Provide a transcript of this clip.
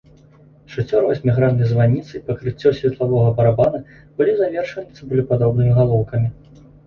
Шацёр васьміграннай званіцы і пакрыццё светлавога барабана былі завершаны цыбулепадобнымі галоўкамі.